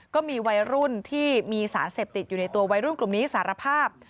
ก็มีวัยรุ่นที่มีสารเสพติดอยู่ในตัววัยรุ่นกลุ่มนี้สารภาพ